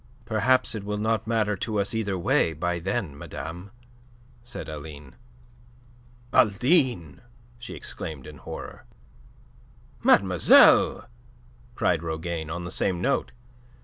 "Perhaps it will not matter to us either way by then, madame," said Aline. "Aline!" she exclaimed in horror. "Mademoiselle!" cried Rougane on the same note.